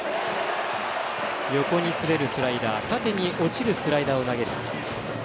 横に滑るスライダー縦に落ちるスライダーを投げる。